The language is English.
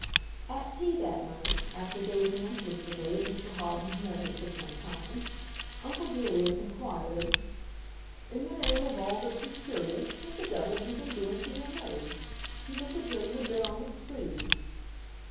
At tea that night, after gazing interestedly at Mr Hawden's nose for some time, uncle Julius inquired, "in the name of all that's mysterious, what the devil have you been doing to your nose? You look as though you had been on the spree."